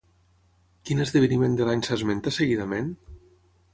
Quin esdeveniment de l'any s'esmenta seguidament?